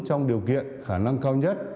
trong điều kiện khả năng cao nhất